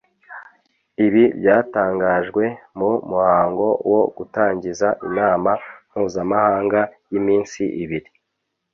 Ibi byatangajwe mu muhango wo gutangiza inama mpuzamahanga y’iminsi ibiri